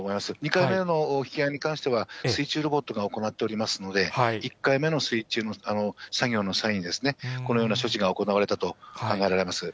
２回目の引き揚げに関しては、水中ロボットが行っておりますので、１回目の水中の作業の際に、このような処置が行われたと考えられます。